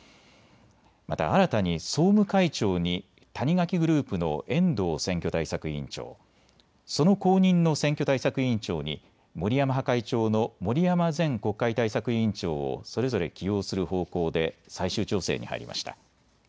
また新たに総務会長に谷垣グループの遠藤選挙対策委員長、その後任の選挙対策委員長に森山派会長の森山前国会対策委員長をそれぞれ起用する方向で最終調整に入りました。